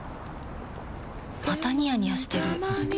またニヤニヤしてるふふ。